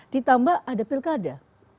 ditambah ada pilkada